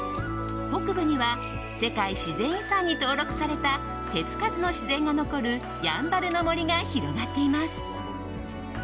北部には世界自然遺産に登録された手つかずの自然が残るやんばるの森が広がっています。